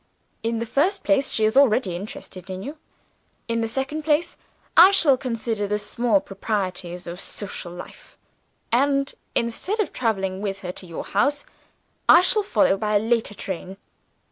"In the first place, she is already interested in you. In the second place, I shall consider the small proprieties of social life; and, instead of traveling with her to your house, I shall follow by a later train.